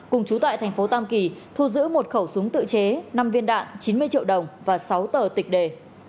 cùng chú tại thành phố tam kỳ thu giữ một khẩu súng tự chế năm viên đạn chín mươi triệu đồng và sáu tờ tịch đề